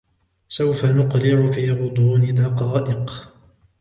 سوف نُقلع في غضون دقائق.